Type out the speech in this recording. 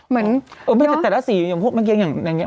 ไม่แต่แต่ละสีอย่างพวกมาเคียงอย่างเนี้ย